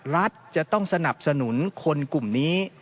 รัฐจะต้องสนับสนุนคนกลุ่มนี้